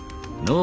のう？